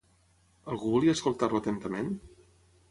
Algú volia escoltar-lo atentament?